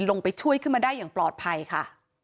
ลงไปช่วยขึ้นมาได้อย่างปลอดภัยค่ะ